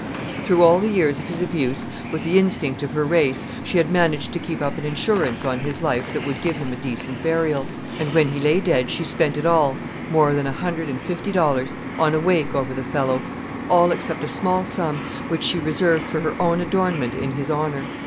Through all the years of his abuse, with the instinct of her race, she had managed to keep up an insurance on his life that would give him a decent burial. And when he lay dead at last she spent it all more than a hundred and fifty dollars on a wake over the fellow, all except a small sum which she reserved for her own adornment in his honor.